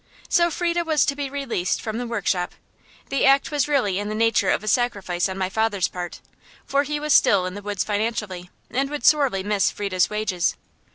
So Frieda was to be released from the workshop. The act was really in the nature of a sacrifice on my father's part, for he was still in the woods financially, and would sorely miss Frieda's wages.